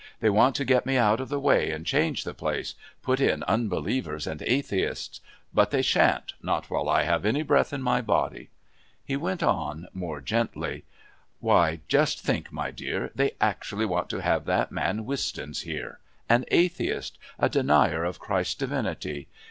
They want to get me out of the way and change the place put in unbelievers and atheists. But they shan't not while I have any breath in my body " He went on more gently, "Why just think, my dear, they actually want to have that man Wistons here. An atheist! A denier of Christ's divinity!